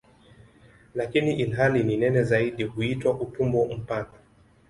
Lakini ilhali ni nene zaidi huitwa "utumbo mpana".